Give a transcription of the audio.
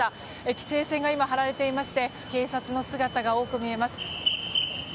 規制線が今、張られていまして警察の姿が多く見えます。